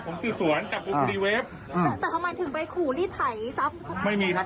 ผมสื่อสวนกับอุปสรีเวฟอืมแต่ทำไมถึงไปขุรีไถไม่มีครับ